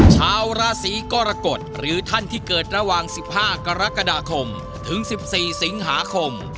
ชาวราศีกรกฎหรือท่านที่เกิดระหว่าง๑๕กรกฎาคมถึง๑๔สิงหาคม